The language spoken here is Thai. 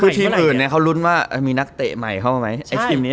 คือทีมอื่นเนี่ยเขาลุ้นว่ามีนักเตะใหม่เข้ามาไหมไอ้ทีมนี้